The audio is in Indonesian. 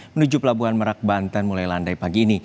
menuju pelabuhan merak banten mulai landai pagi ini